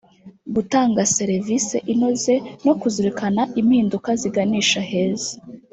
gutanga serevise inoze no kuzirikana impinduka ziganisha heza